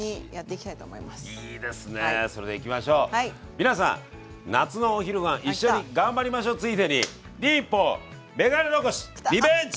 皆さん夏のお昼ごはん一緒に頑張りましょうついでに忍法眼鏡残しリベンジ！